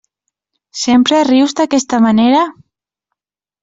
Sempre rius d'aquesta manera?